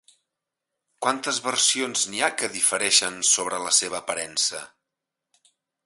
Quantes versions n'hi ha que difereixen sobre la seva aparença?